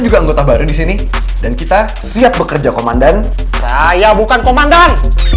juga anggota baru di sini dan kita siap bekerja komandan saya bukan komandan